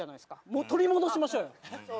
もう取り戻しましょうよ。